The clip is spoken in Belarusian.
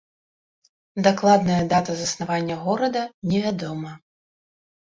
Дакладная дата заснавання горада невядома.